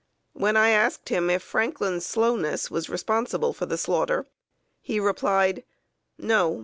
When I asked him if Franklin's slowness was responsible for the slaughter, he replied: "No.